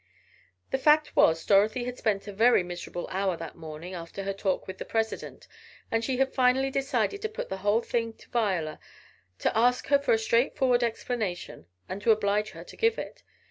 The fact was Dorothy had spent a very miserable hour that morning, after her talk with the president, and she had finally decided to put the whole thing to Viola, to ask her for a straight forward explanation, and to oblige her to give it.